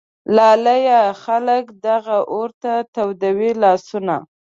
لالیه ! خلک دغه اور ته تودوي لاسونه